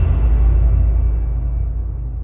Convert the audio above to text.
sampai dia meninggal